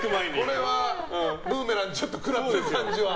これはブーメランくらってる感じは。